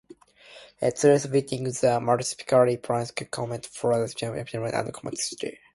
Tourists visiting the municipality primarily comes from adjacent municipalities and Cotabato City.